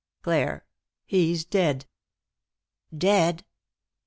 " Clare — he's dead." "Dead!"